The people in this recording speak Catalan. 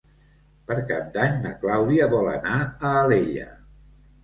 Per Cap d'Any na Clàudia vol anar a Alella.